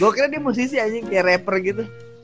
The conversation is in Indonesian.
gue kira dia musisi anjing kayak rapper gitu